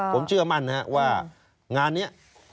ผมเชื่อมั่นนะครับว่างานนี้